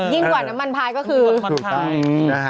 ยิ่งกว่าน้ำมันพลายก็คือ